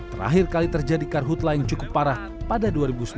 terakhir kali terjadi karhutlah yang cukup parah pada dua ribu sembilan belas